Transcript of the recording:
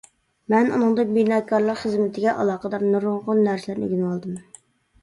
مەن ئۇنىڭدىن بىناكارلىق خىزمىتىگە ئالاقىدار نۇرغۇن نەرسىلەرنى ئۆگىنىۋالدىم.